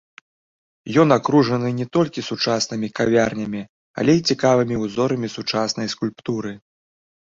Ён акружаны не толькі сучаснымі кавярнямі, але і цікавымі ўзорамі сучаснай скульптуры.